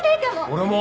俺も。